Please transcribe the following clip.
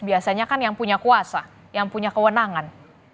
biasanya kan yang punya kuasa yang punya kewenangan